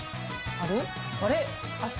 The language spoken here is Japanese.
あれ？